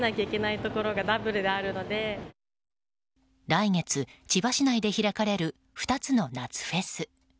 来月、千葉市内で開かれる２つの夏フェス。